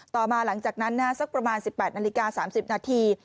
ต่อมาหลังจากนั้นสักประมาณ๑๘นาฬิกา๓๐นาที